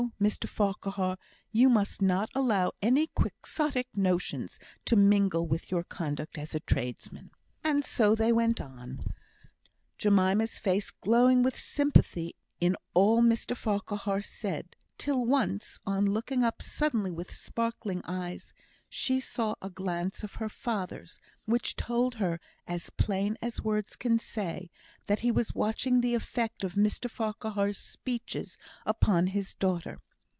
Mr Farquhar, you must not allow any Quixotic notions to mingle with your conduct as a tradesman." And so they went on; Jemima's face glowing with sympathy in all Mr Farquhar said; till once, on looking up suddenly with sparkling eyes, she saw a glance of her father's which told her, as plain as words could say, that he was watching the effect of Mr Farquhar's speeches upon his daughter.